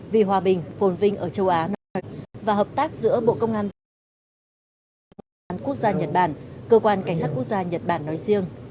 vì hòa bình phồn vinh ở châu á và hợp tác giữa bộ công an quốc gia nhật bản cơ quan cảnh sát quốc gia nhật bản nói riêng